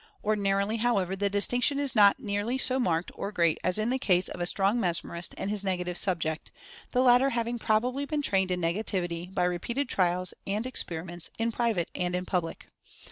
Ordinarily, however, the distinction is not nearly so marked or great as in the case of a strong Mesmerist and his negative "subject," the latter having probably been trained in Negativity by re peated trials and experiments in private and in public.